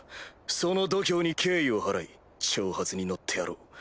その度胸に敬意を払い挑発に乗ってやろう。